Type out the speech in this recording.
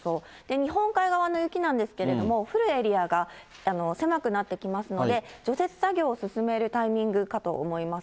日本海側の雪なんですけれども、降るエリアが狭くなってきますので、除雪作業を進めるタイミングかと思います。